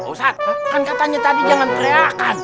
ustadz kan katanya tadi jangan teriakan